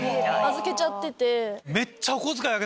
預けちゃってて。